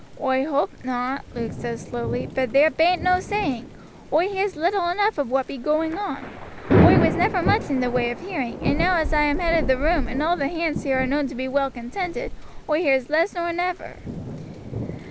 "Oi hoape not," Luke said slowly, "but ther bain't no saying; oi hears little enough of what be going on. Oi was never much in the way of hearing, but now as I am head of the room, and all the hands here are known to be well contented, oi hears less nor ever.